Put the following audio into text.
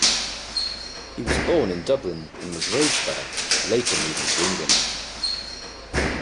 He was born in Dublin and was raised there, later moving to England.